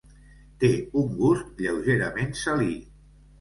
Té un gust lleugerament salí.